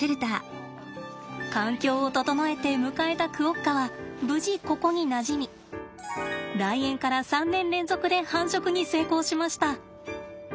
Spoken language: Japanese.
環境を整えて迎えたクオッカは無事ここになじみ来園から３年連続で繁殖に成功しました！